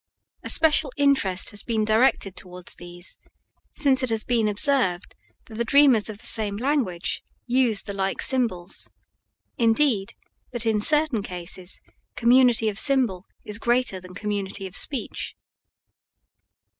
A special interest has been directed towards these, since it has been observed that the dreamers of the same language use the like symbols indeed, that in certain cases community of symbol is greater than community of speech.